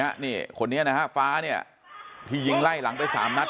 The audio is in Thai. อันเนี้ยนี่ฟ้านี่ที่ยิงไล่หลังไป๓นัด